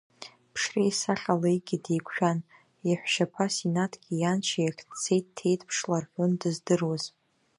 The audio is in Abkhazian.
Ԥшреи сахьалеигьы деиқәшәан, иаҳәшьаԥа Синаҭгьы ианшьа иахь дцеит ҭеиҭԥшла рҳәон дыздыруаз.